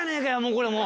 これもう。